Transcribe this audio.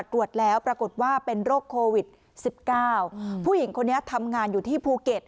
ตรวจแล้วปรากฏว่าเป็นโรคโควิด๑๙ผู้หญิงคนนี้ทำงานอยู่ที่ภูเก็ต